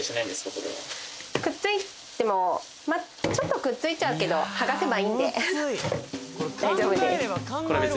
これはくっついてもちょっとくっついちゃうけど剥がせばいいんで大丈夫です